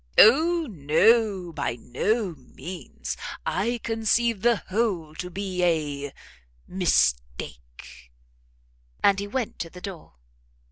"O no; by no means, I conceive the whole to be a mistake!" And he went to the door.